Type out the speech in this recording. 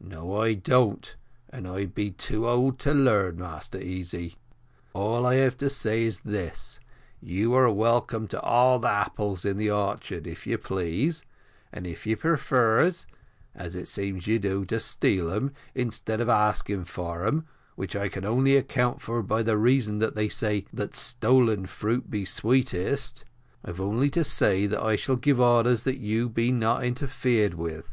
"No, I don't and I be too old to learn, Master Easy. All I have to say is this, you are welcome to all the apples in the orchard if you please, and if you prefers, as it seems you do, to steal them, instead of asking for them, which I only can account for by the reason that they say, that `stolen fruit be sweetest,' I've only to say that I shall give orders that you be not interfered with.